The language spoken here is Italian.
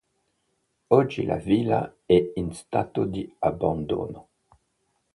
Oggi la villa è in stato di abbandono.